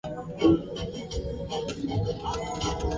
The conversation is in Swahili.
madawaFikiri aliongeza kuwa hata wakati wazazi wake wanampeleka